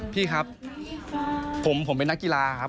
พี่ครับผมเป็นนักกีฬาครับ